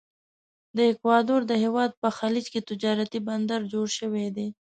د اکوادور د هیواد په خلیج کې تجارتي بندر جوړ شوی دی.